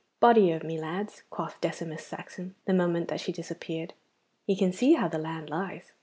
'Body o' me, lads!' quoth Decimus Saxon the moment that she disappeared, 'ye can see how the land lies.